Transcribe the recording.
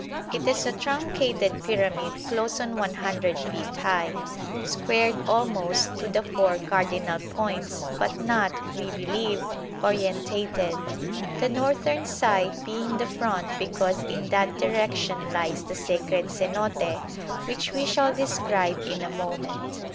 It is a truncated pyramid close on 100 feet high, squared almost to the four cardinal points, but not, we believe, orientated; the northern side being the front because in that direction lies the Sacred Cenote which we shall describe in a moment.